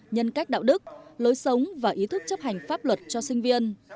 nhân cách đạo đức lối sống và ý thức chấp hành pháp luật cho sinh viên